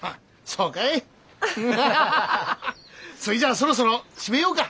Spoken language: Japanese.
そいじゃそろそろ締めようか！